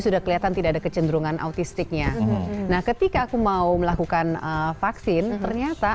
sudah kelihatan tidak ada kecenderungan autistiknya nah ketika aku mau melakukan vaksin ternyata